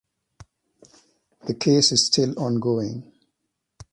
The case is still ongoing.